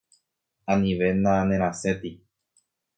Anivéna nerasẽti.